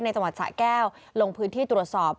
จังหวัดสะแก้วลงพื้นที่ตรวจสอบ